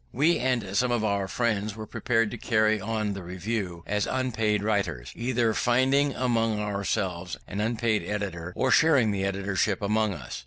We and some of our friends were prepared to carry on the Review as unpaid writers, either finding among ourselves an unpaid editor, or sharing the editorship among us.